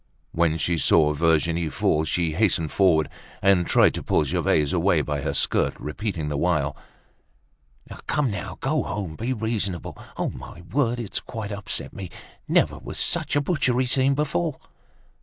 When she saw Virginie fall she hastened forward, and tried to pull Gervaise away by her skirt, repeating the while, "Come now, go home! Be reasonable. On my word, it's quite upset me. Never was such a butchery seen before."